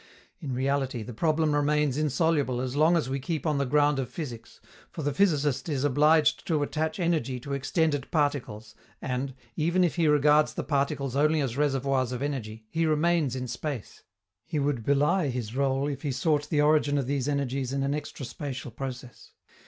In reality, the problem remains insoluble as long as we keep on the ground of physics, for the physicist is obliged to attach energy to extended particles, and, even if he regards the particles only as reservoirs of energy, he remains in space: he would belie his rôle if he sought the origin of these energies in an extra spatial process.